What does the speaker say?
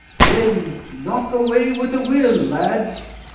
"Then knock away with a will, lads!"